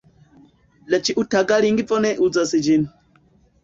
La ĉiutaga lingvo ne uzas ĝin.